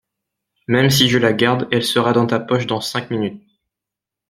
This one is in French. même si je la garde elle sera dans ta poche dans cinq minutes.